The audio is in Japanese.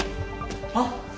あっ？